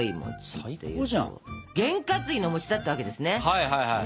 はいはいはい。